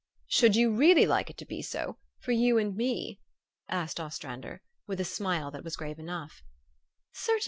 " Should you really like it to be so for you and me?" asked Ostrander, with a smile that was grave enough.